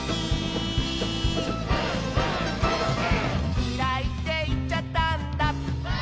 「きらいっていっちゃったんだ」